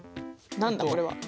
何だこれ。